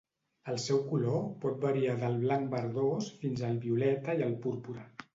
El seu color pot variar del blanc verdós fins al violeta i el púrpura.